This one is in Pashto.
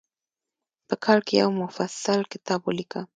په کال کې یو مفصل کتاب ولیکه.